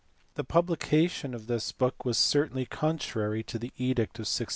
The publication of this book was certainly contrary to the edict of 1616.